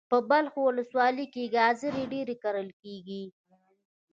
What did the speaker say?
په بلخ ولسوالی کی ګازر ډیر کرل کیږي.